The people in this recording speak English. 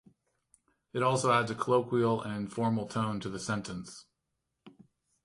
It also adds a colloquial and informal tone to the sentence.